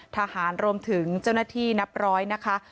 ทหารรวมถึงเจ้าหน้าที่นับร้อยนะคะ